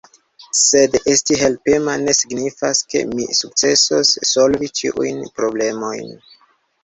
Sed esti helpema ne signifas, ke mi sukcesos solvi ĉiujn problemojn.